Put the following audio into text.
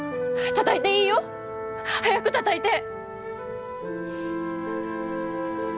たたいていいよ！早くたたいて！